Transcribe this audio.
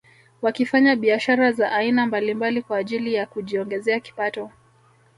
Wakifanya biashara za aina mbalimbali kwa ajili ya kujiongezea kipato